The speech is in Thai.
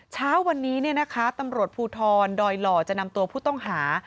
เช้าวันนี้ตำรวจภูทรดอยหล่อจะนำตัวผู้ต้องหา